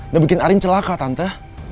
dan bikin arin celaka tante